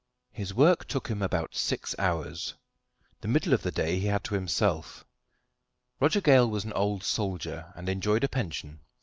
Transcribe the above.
His work took him about six hours. The middle of the day he had to himself. Roger Gale was an old soldier, and enjoyed a pension.